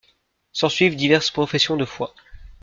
S’ensuivent diverses professions de foi.